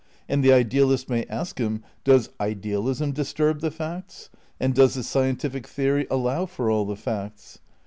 And the idealist may ask him: Does idealism disturb the facts? And does the scientific theory allow for all the facts?